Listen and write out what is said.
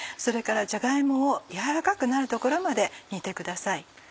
それからじゃが芋を軟らかくなるところまで煮てください。